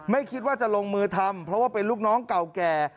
ไม่คิดว่าจะลงมือทำเพราะว่าเป็นลูกน้องเก่าแก่